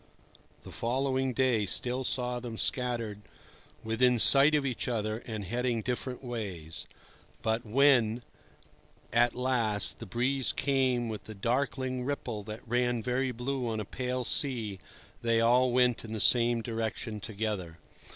The following day still saw them scattered within sight of each other and heading different ways; but when, at last, the breeze came with the darkling ripple that ran very blue on a pale sea, they all went in the same direction together.